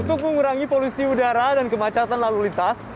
untuk mengurangi polusi udara dan kemacetan lalu lintas